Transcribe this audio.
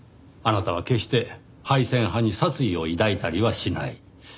あなたは決して廃線派に殺意を抱いたりはしない。